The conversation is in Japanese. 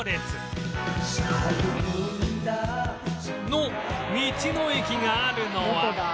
の道の駅があるのは